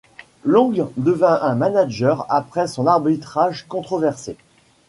Long devint un manager après son arbitrage controversé.